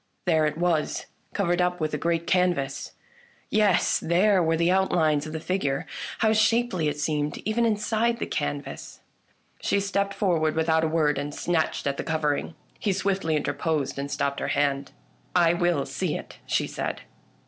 There it was, covered up with a great canvas ! Yes, there were the outlines of the figure. How shapely it seemed, even inside the canvas ! She stepped forward without a word, and snatched at the covering. He swiftly interposed and stopped her hand, " I will see it," she said.